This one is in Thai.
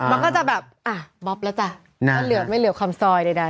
มันก็จะแบบอะอ๊ะอ๋อลับแล้วจ้ะน่ะอ้าวก็เหลือไม่เหลือคำซอยใดดาย